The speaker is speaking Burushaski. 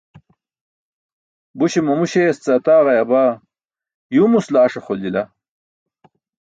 Buśe mamu śeyas ce ataġayabaa, yuumus laaś axoljila.